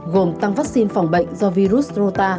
gồm tăng vaccine phòng bệnh do virus rota